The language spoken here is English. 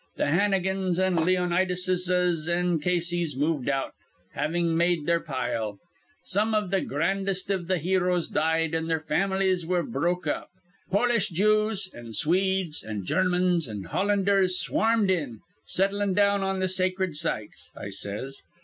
Th' Hannigans an' Leonidases an' Caseys moved out, havin' made their pile. Some iv th' grandest iv th' heroes died, an' their fam'lies were broke up. Polish Jews an' Swedes an' Germans an' Hollanders swarmed in, settlin' down on th' sacred sites,' I says.